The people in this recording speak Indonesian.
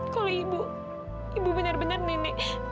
kalau ibu ibu benar benar nenek